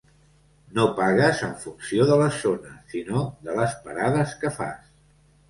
No pagues en funció de les zones, sinó de les parades que fas.